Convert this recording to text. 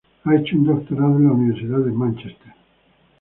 Ha hecho un doctorado en la universidad de Manchester.